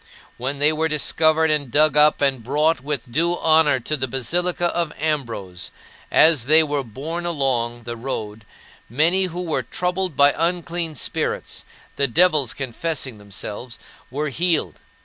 When they were discovered and dug up and brought with due honor to the basilica of Ambrose, as they were borne along the road many who were troubled by unclean spirits the devils confessing themselves were healed.